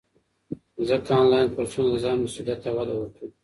څنګه انلاين کورسونه د ځان مسؤليت ته وده ورکوي؟